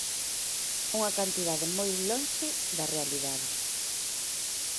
Unha cantidade moi lonxe da realidade.